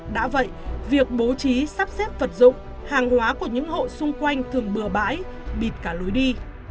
đã vậy việc bố trí sắp xếp vật dụng hàng hóa của những hộ xung quanh thường bừa bãi bịt cả lối đi